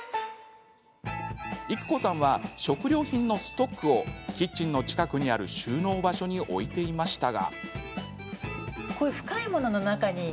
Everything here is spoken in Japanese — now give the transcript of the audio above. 育子さんは食料品のストックをキッチンの近くにある収納場所に置いていましたが。